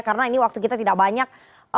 karena ini waktu kita tidak banyak